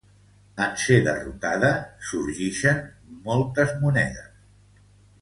En ser derrotada sorgixen moltes monedes.